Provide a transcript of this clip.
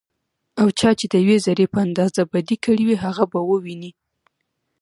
او چا چې ديوې ذرې په اندازه بدي کړي وي، هغه به وويني